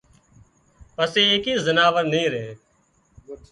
پسي ايڪئي زناور نين ري